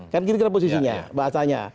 kan gini posisinya bahasanya